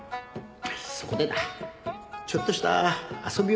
そこでだちょっとした遊びをしないか？